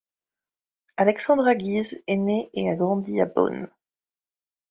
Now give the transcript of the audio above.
Alexandra Geese est née et a grandi à Bonn.